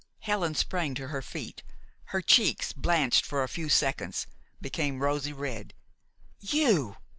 Helen sprang to her feet. Her cheeks, blanched for a few seconds, became rosy red. "You!"